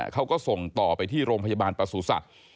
เขาก็ส่งต่อไปที่โรงพยาบาลประสูจัตว์